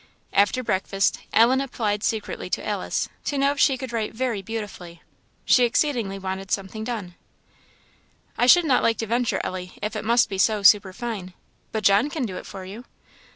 After breakfast, Ellen applied secretly to Alice, to know if she could write very beautifully she exceedingly wanted something done. "I should not like to venture, Ellie, if it must be so superfine; but John can do it for you."